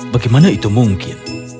bagaimana itu mungkin